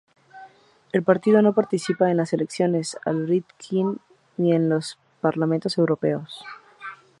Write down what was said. El partido no participa en las elecciones al Riksdag ni en los parlamentos europeos.